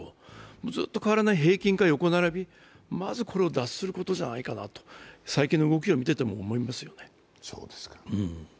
ずっと変わらない平均か横並び、まずこれを脱することじゃないかなと最近の動きを見てても思いますよね。